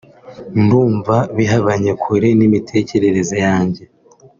ndumva bihabanye kure n’imitekerereze yanjye